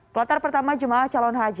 kloter pertama jemaah calon haji